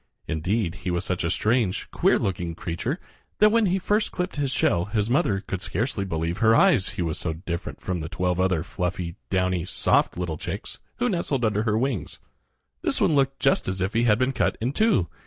Indeed, he was such a strange, queer looking creature that when he first clipped his shell his mother could scarcely believe her eyes, he was so different from the twelve other fluffy, downy, soft little chicks who nestled under her wings. This one looked just as if he had been cut in two.